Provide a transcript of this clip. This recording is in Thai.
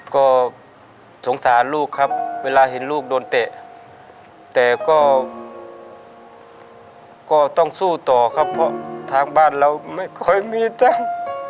ก็สงสารลูกครับเวลาเห็นลูกโดนเตะแต่ก็ต้องสู้ต่อครับเพราะทางบ้านเราไม่ค่อยมีตังค์